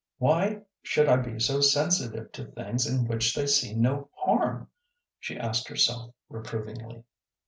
"Why should I be so sensitive to things in which they see no harm?" she asked herself, reprovingly.